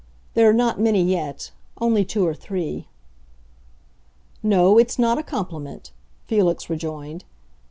There are not many yet—only two or three." "No, it's not a compliment," Felix rejoined.